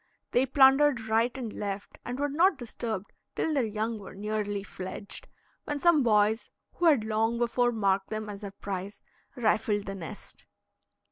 They plundered right and left, and were not disturbed till their young were nearly fledged, when some boys, who had long before marked them as their prize, rifled the nest.